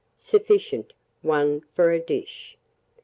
Sufficient, 1 for a dish.